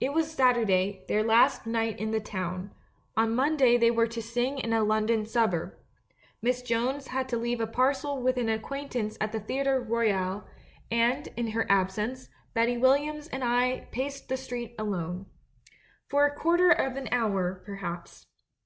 It was Saturday, their last night in the town; on Monday they were to sing in a London suburb. Miss Jones had to leave a par cel with an acquaintance at the Theatre Royal, and, in her absence, Betty WiUiams and I paced the street alone. A quarter of an hour, perhaps.